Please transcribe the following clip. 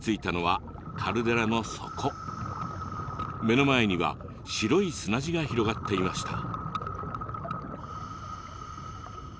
目の前には白い砂地が広がっていました。